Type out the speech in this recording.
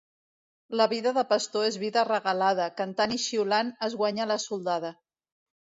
La vida de pastor és vida regalada, cantant i xiulant es guanya la soldada.